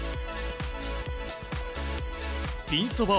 ピンそば